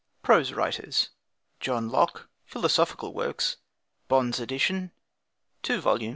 PROSE WRITERS. £ s. d. JOHN LOCKE, Philosophical Works: Bohn's Edition (2 vols.)